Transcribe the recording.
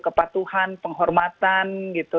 kepatuhan penghormatan gitu